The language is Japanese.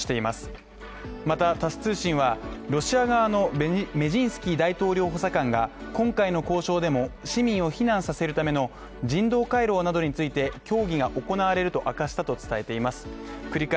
また、タス通信はロシア側のメジンスキー大統領補佐官が今回の交渉でも市民を避難させるための人道回廊などについて協議が行われると明かしています。